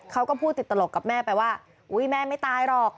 เขาก็พูดติดตลกกับแม่ไปว่าอุ๊ยแม่ไม่ตายหรอก